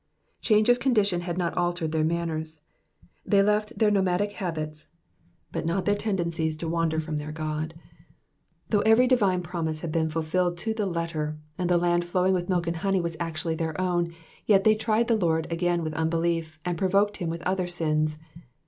'''* Change of condition had not altered their manners. They left their nomadic habits, but not their tendencies to wander from their God. Though /bvery divine promise had been fulfilled to ths letter, and the land flowing with milk and honey was actually their own, yet they tried the Lord pgain with unbelief, and piovoked liim with other sins.